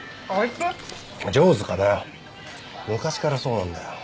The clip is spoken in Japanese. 城塚だよ昔からそうなんだよ。